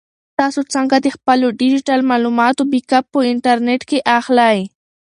تاسو څنګه د خپلو ډیجیټل معلوماتو بیک اپ په انټرنیټ کې اخلئ؟